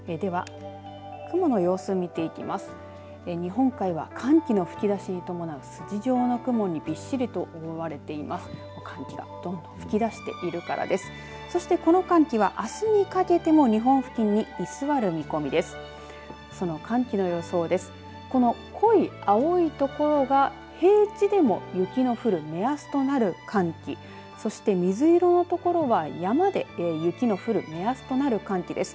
そして、この寒気はあすにかけても日本付近に居座る見込みです。